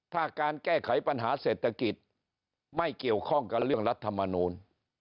ถ้าการแก้ไขปัญหาเศรษฐกิจไม่เกี่ยวข้องกับเรื่องรัฐมนูล